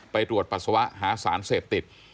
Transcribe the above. ตรวจปัสสาวะหาสารเสพติด